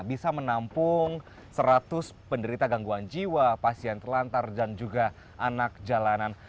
bisa menampung seratus penderita gangguan jiwa pasien terlantar dan juga anak jalanan